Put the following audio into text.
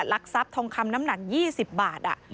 ลักทรัพย์ทองคำน้ำหนัก๒๐บาท